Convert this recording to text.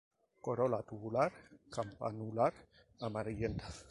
Corola tubular-campanular amarillenta.